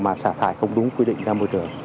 mà xả thải không đúng quy định ra môi trường